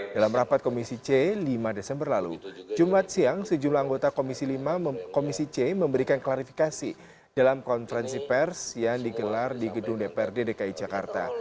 dalam rapat komisi c lima desember lalu jumat siang sejumlah anggota komisi c memberikan klarifikasi dalam konferensi pers yang digelar di gedung dprd dki jakarta